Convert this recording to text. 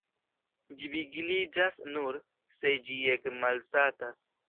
Ĝi vigliĝas nur, se ĝi ekmalsatas.